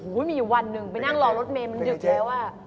โหมีวันนึงไปนั่งรอรถเมมน้าเดือดแล้ว